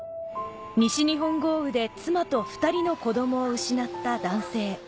西日本豪雨で妻と２人の子供を失った男性